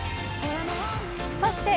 そして！